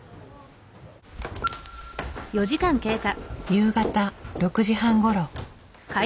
夕方６時半ごろ。